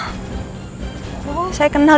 oh saya kenal